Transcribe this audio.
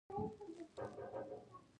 د مور مینه یوه طبیعي غريزه ده.